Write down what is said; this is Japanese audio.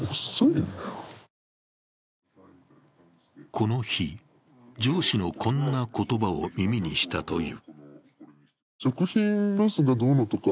この日、上司のこんな言葉を耳にしたという。